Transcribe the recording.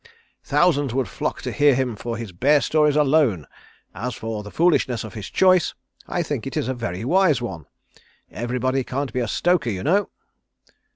Thousands would flock to hear him for his bear stories alone. As for the foolishness of his choice, I think it is a very wise one. Everybody can't be a stoker, you know."